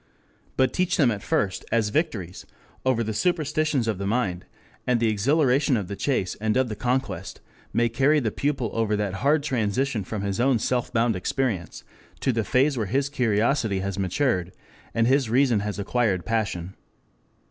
But teach them at first as victories over the superstitions of the mind, and the exhilaration of the chase and of the conquest may carry the pupil over that hard transition from his own self bound experience to the phase where his curiosity has matured, and his reason has acquired passion.